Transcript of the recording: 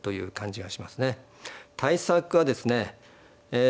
対策はですねえ